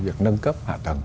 việc nâng cấp hạ tầng